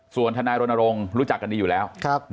ส่วนทนายรณรงค์รู้จักกันดีอยู่แล้ว